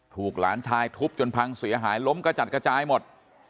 หลานชายทุบจนพังเสียหายล้มกระจัดกระจายหมด